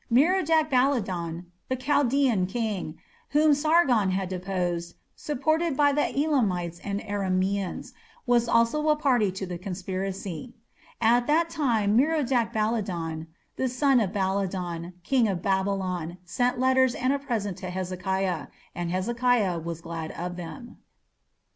Merodach Baladan, the Chaldaean king, whom Sargon had deposed, supported by Elamites and Aramaeans, was also a party to the conspiracy. "At that time Merodach Baladan, the son of Baladan, king of Babylon, sent letters and a present to Hezekiah.... And Hezekiah was glad of them."